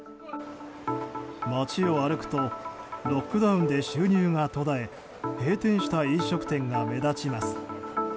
街を歩くとロックダウンで収入が途絶え閉店した飲食店が目立ちます。